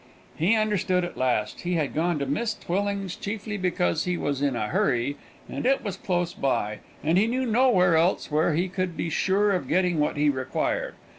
He understood at last. He had gone to Miss Twilling's chiefly because he was in a hurry and it was close by, and he knew nowhere else where he could be sure of getting what he required.